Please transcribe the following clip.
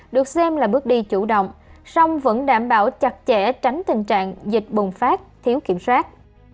được xem là bước đi chủ động song vẫn đảm bảo chặt chẽ tránh tình trạng dịch bùng phát thiếu kiểm soát